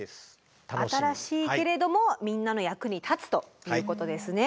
新しいけれどもみんなの役に立つということですね。